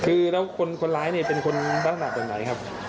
คือแล้วคนร้ายเนี่ยเป็นคนลักษณะแบบไหนครับ